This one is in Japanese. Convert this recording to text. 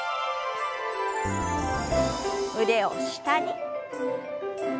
腕を下に。